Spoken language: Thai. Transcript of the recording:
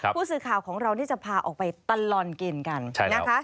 ผู้สื่อข่าวของเรานี่จะพาออกไปตลอดกินกันนะคะ